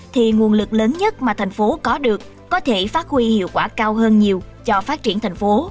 thì nguồn lực lớn nhất mà thành phố có được có thể phát huy hiệu quả cao hơn nhiều cho phát triển thành phố